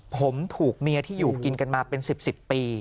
ผมถูกเมียที่อยู่กินกันมาเป็น๑๐ปี